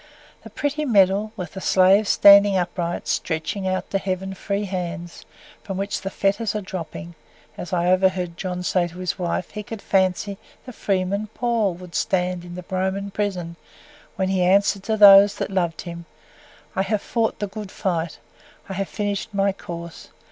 The pretty medal, with the slave standing upright, stretching out to Heaven free hands, from which the fetters are dropping as I overheard John say to his wife, he could fancy the freeman Paul would stand in the Roman prison, when he answered to those that loved him, "I HAVE FOUGHT THE GOOD FIGHT. I HAVE FINISHED MY COURSE.